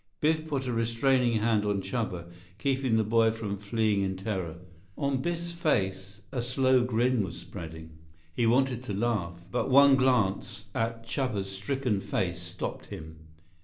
Biff put a restraining hand on Chuba, keeping the boy from fleeing in terror. On Biff's face a slow grin was spreading. He wanted to laugh, but one glance at Chuba's stricken face stopped him.